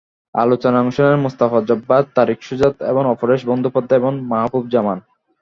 আলোচনায় অংশ নেন মোস্তাফা জব্বার, তারিক সুজাত, অপরেশ বন্দ্যোপাধ্যায় এবং মাহবুব জামান।